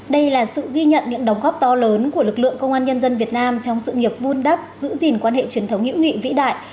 đây là sự ghi nhận những đóng góp to lớn của lực lượng công an nhân dân việt nam trong sự nghiệp vun đắp giữ gìn quan hệ truyền thống hữu nghị vĩ đại